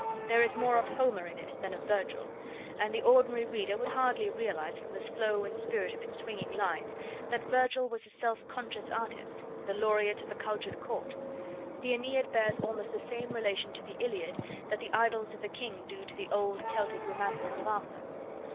There is more of Homer in it than of Virgil, and the ordinary reader would hardly realise from the flow and spirit of its swinging lines that Virgil was a self conscious artist, the Laureate of a cultured Court. The AEneid bears almost the same relation to the Iliad that the Idylls of the King do to the old Celtic romances of Arthur.